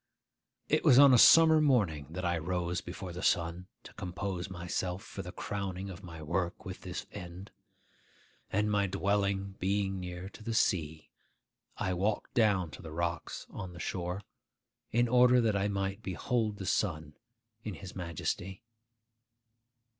It was on a summer morning that I rose before the sun to compose myself for the crowning of my work with this end; and my dwelling being near to the sea, I walked down to the rocks on the shore, in order that I might behold the sun in his majesty.